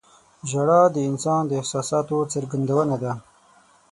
• ژړا د انسان د احساساتو څرګندونه ده.